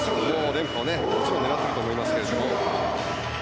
連覇をいつも狙っていると思いますけども。